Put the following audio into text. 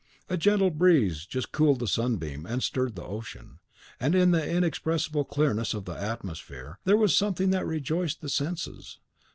A gentle breeze just cooled the sunbeam, and stirred the ocean; and in the inexpressible clearness of the atmosphere there was something that rejoiced the senses.